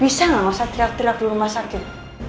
bisa gak masa teriak teriak dulu mbak sakit